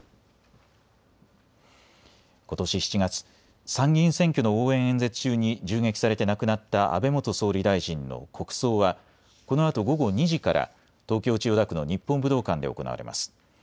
ことし７月、参議院選挙の応援演説中に銃撃されて亡くなった安倍元総理大臣の国葬はこのあと午後２時から東京千代田区の日本武道館で行われます。